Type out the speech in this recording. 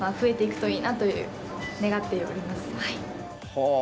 はあ！